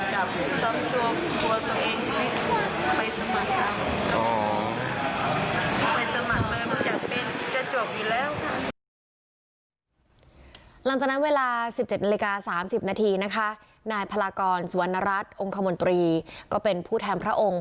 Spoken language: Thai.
หลังจากนั้นเวลา๑๗นาฬิกา๓๐นาทีนะคะนายพลากรสุวรรณรัฐองค์คมนตรีก็เป็นผู้แทนพระองค์